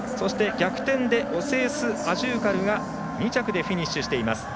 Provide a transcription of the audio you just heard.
逆転でオセースアジューカルが２着でフィニッシュしています。